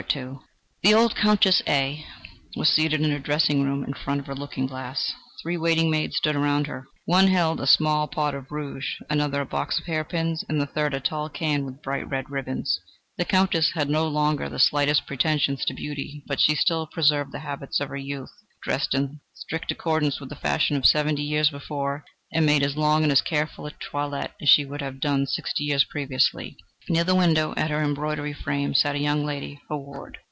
II The old Countess A was seated in her dressing room in front of her looking glass. Three waiting maids stood around her. One held a small pot of rouge, another a box of hair pins, and the third a tall can with bright red ribbons. The Countess had no longer the slightest pretensions to beauty, but she still preserved the habits of her youth, dressed in strict accordance with the fashion of seventy years before, and made as long and as careful a toilette as she would have done sixty years previously. Near the window, at an embroidery frame, sat a young lady, her ward.